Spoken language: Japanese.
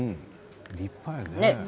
立派やね。